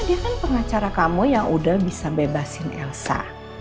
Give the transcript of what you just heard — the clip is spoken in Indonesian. dia kan pengacara kamu yang udah bisa bebasin elsa